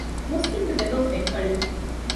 މުސްލިމްގެ ދެލޯ ފެންކަޅިވި